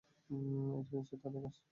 এটা নিশ্চয়ই তাদের কাজ।